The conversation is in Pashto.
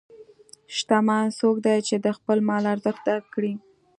شتمن څوک دی چې د خپل مال ارزښت درک کړي.